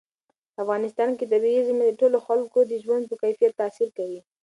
په افغانستان کې طبیعي زیرمې د ټولو خلکو د ژوند په کیفیت تاثیر کوي.